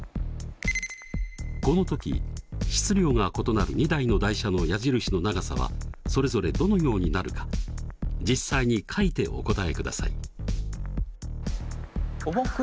この時質量が異なる２台の台車の矢印の長さはそれぞれどのようになるか実際に書いてお答えください。